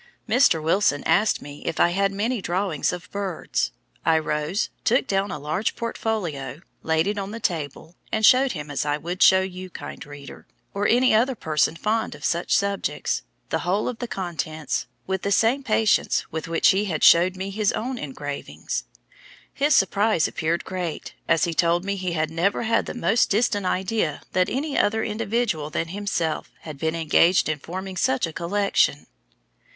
Mr. Wilson asked me if I had many drawings of birds, I rose, took down a large portfolio, laid it on the table, and showed him as I would show you, kind reader, or any other person fond of such subjects, the whole of the contents, with the same patience, with which he had showed me his own engravings. His surprise appeared great, as he told me he had never had the most distant idea that any other individual than himself had been engaged in forming such a collection.